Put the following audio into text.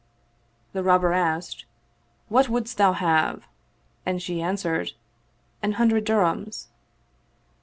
The Robber asked, " What wouldst thou have?" And she answered, "An hundred dirhams."